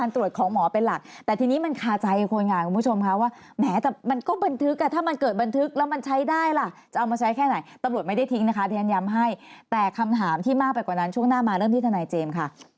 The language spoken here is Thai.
ตอนนั้นช่วงหน้ามาเริ่มที่ธนายเจมส์ค่ะ